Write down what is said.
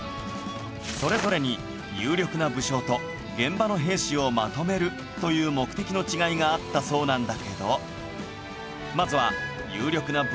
それぞれに有力な武将と現場の兵士をまとめるという目的の違いがあったそうなんだけど